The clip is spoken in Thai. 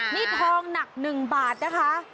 นี่ทองหนัก๑บาทนะคะ